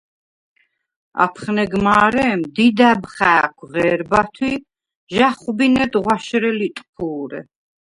აფხნეგ მა̄რემ დიდა̈ბ ხა̄̈ქვ ღე̄რბათვ ი ჟ’ა̈ხვბინედ ღვაშრე ლიტფუ̄რე.